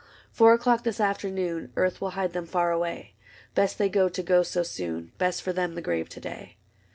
Four o'clock this afternoon, Earth will hide them far away : Best they go to go so soon. Best for them the grave to day.